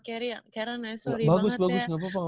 kayaknya panjang banget ya sama karen ya